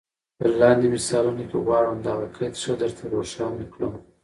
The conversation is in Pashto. په لاندي مثالونو کي غواړم دغه قید ښه در ته روښان کړم.